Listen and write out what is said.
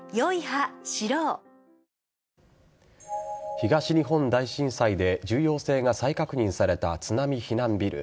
東日本大震災で重要性が再確認された津波避難ビル。